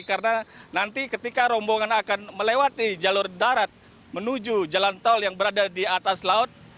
karena nanti ketika rombongan akan melewati jalur darat menuju jalan tol yang berada di atas laut